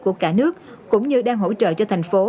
của cả nước cũng như đang hỗ trợ cho thành phố